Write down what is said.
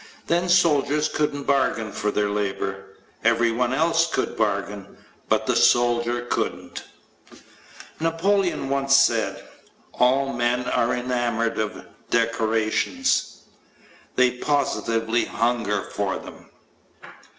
Then soldiers couldn't bargain for their labor. Everyone else could bargain, but the soldier couldn't. Napoleon once said, "All men are enamored of decorations ... they positively hunger for them."